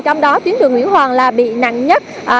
trong đó tuyến đường nguyễn hoàng là bị nặng nhất